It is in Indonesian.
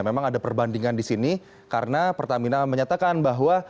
memang ada perbandingan di sini karena pertamina menyatakan bahwa